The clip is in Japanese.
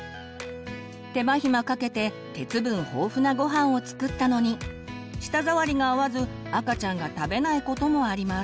手間暇かけて鉄分豊富なごはんを作ったのに舌触りが合わず赤ちゃんが食べないこともあります。